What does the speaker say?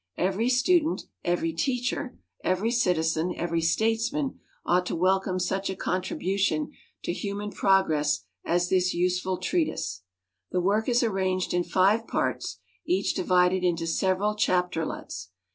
Every student, every teacher, every citizen, every statesman, ought to welcome such a contribution to human progress as this useful treatise. The work is arranged in live parts, each divided into several chapter lets.